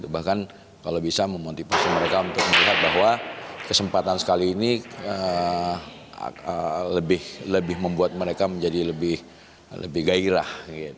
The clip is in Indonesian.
bahkan kalau bisa memotivasi mereka untuk melihat bahwa kesempatan sekali ini lebih membuat mereka menjadi lebih gairah